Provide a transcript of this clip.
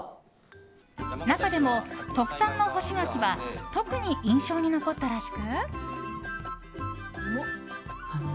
中でも特産の干し柿は特に印象に残ったらしく。